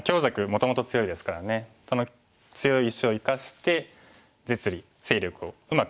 もともと強いですからねその強い石を生かして実利勢力をうまく。